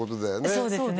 そうですね